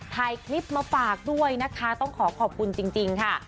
ถ่ายคลิปมาฝากด้วยนะคะต้องขอขอบคุณจริงค่ะ